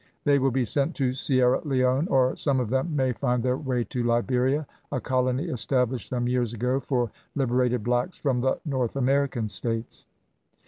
They will be sent to Sierra Leone, or some of them may find their way to Liberia, a colony established some years ago for liberated blacks from the North American States."